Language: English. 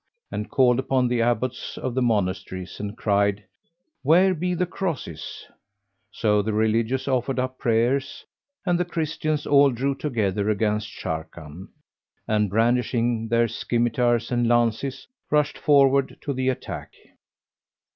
and called upon the Abbots of the monasteries and cried, "Where be the crosses?" So the Religious offered up prayers and the Christians all drew together against Sharrkan; and, brandishing their scymitars and lances, rushed forward to the attack.